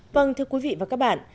vâng thưa quý vị và các bạn